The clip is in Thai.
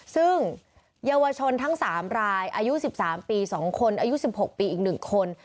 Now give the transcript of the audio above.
ซึ่งเยาวชนทั้ง๓รายอายุ๑๓ปี๒คนอายุ๑๖ปีอีก๑คน